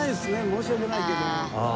申し訳ないけども。